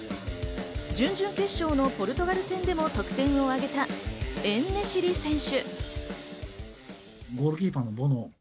準々決勝のポルトガル戦でも得点を挙げたエン＝ネシリ選手。